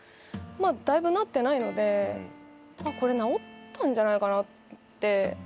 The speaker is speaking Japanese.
だいぶなってないのでこれ治ったんじゃないかなって。